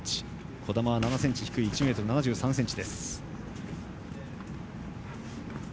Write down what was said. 児玉は７ｃｍ低い１ｍ７３ｃｍ。